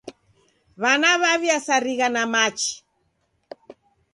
W'ana w'aw'esarigha na machi.